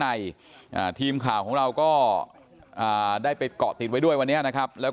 ในอ่าทีมข่าวของเราก็อ่าได้ไปเกาะติดไว้ด้วยวันนี้นะครับแล้ว